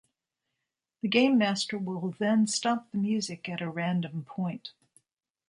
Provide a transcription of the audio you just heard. The game master will then stop the music at a random point.